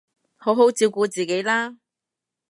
好好照顧自己啦